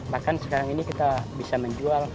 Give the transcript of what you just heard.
bahkan sekarang ini kita bisa menjual